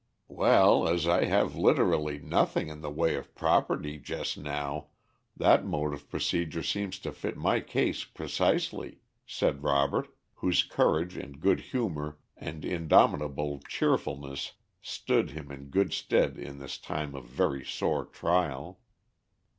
"Well, as I have literally nothing in the way of property just now, that mode of procedure seems to fit my case precisely," said Robert, whose courage and good humor and indomitable cheerfulness stood him in good stead in this time of very sore trial.